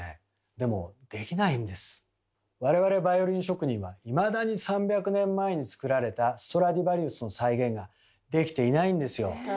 でも我々バイオリン職人はいまだに３００年前に作られたストラディヴァリウスの再現ができていないんですよ。